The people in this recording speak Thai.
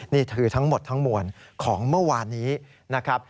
นี่คือทั้งหมดทั้งมวลของเมื่อวานนี้นะครับ